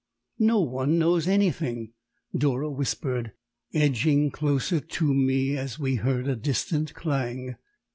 "No one knows anything!" Dora whispered, edging closer to me as we heard a distant clang.